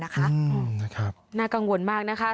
น่ากังวลมากนะคะ